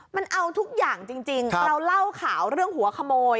มันเอาทุกอย่างจริงเราเล่าข่าวเรื่องหัวขโมย